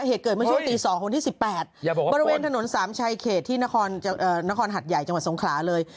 เหตุเกิดมาช่วงตี๒ของวันที่๑๘บริเวณถนนสามชัยเขตที่นครหัดใหญ่จังหวัดสงขลาเลย